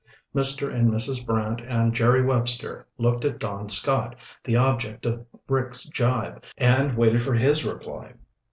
Mr. and Mrs. Brant and Jerry Webster looked at Don Scott, the object of Rick's jibe, and waited for his reply.